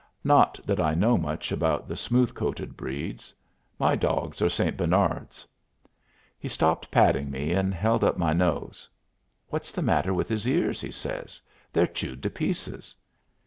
"Not that I know much about the smooth coated breeds. My dogs are St. Bernards." He stopped patting me and held up my nose. "What's the matter with his ears?" he says. "They're chewed to pieces.